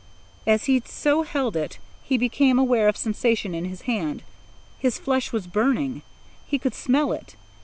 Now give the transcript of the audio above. As he so held it, he became aware of sensation in his hand. His flesh was burning. He could smell it.